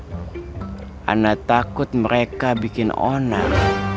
saya takut mereka bikin onar